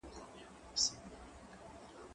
زه مخکي د ښوونځی لپاره امادګي نيولی وو!؟